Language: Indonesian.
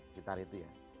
sekitar itu ya